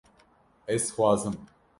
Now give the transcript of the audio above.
Ez dixwazim